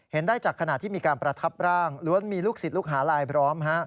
ได้จากขณะที่มีการประทับร่างล้วนมีลูกศิษย์ลูกหาลายพร้อม